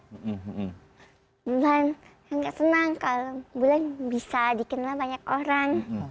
bulan gak senang kalau bulan bisa dikenal banyak orang